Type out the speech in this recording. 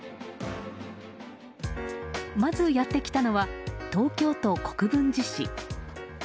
まずやってきたのは東京都国分寺市。